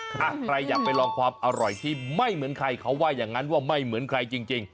ถ้าใครอยากไปลองความอร่อยที่ไม่เหมือนใครเขาว่าอย่างนั้นว่าไม่เหมือนใครจริง